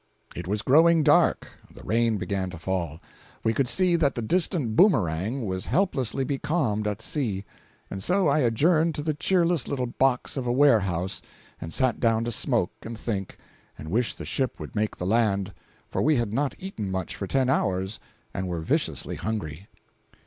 514.jpg (93K) It was growing dark, the rain began to fall, we could see that the distant Boomerang was helplessly becalmed at sea, and so I adjourned to the cheerless little box of a warehouse and sat down to smoke and think, and wish the ship would make the land—for we had not eaten much for ten hours and were viciously hungry.